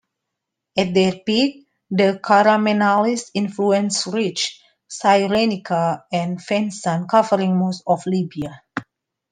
At their peak, the Karamanlis' influence reached Cyrenaica and Fezzan, covering most of Libya.